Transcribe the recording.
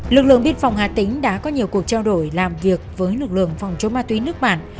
lực lượng biên phòng hà tĩnh đã có nhiều cuộc trao đổi làm việc với lực lượng phòng chống ma túy nước bản